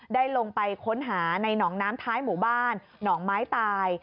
ได้ลงไปค้นหาในหนองน้ำท้ายหมู่บ้านหนองไม้ตาย